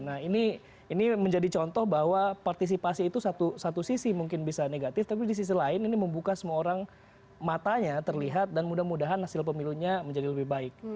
nah ini menjadi contoh bahwa partisipasi itu satu sisi mungkin bisa negatif tapi di sisi lain ini membuka semua orang matanya terlihat dan mudah mudahan hasil pemilunya menjadi lebih baik